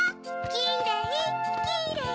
きれいきれい！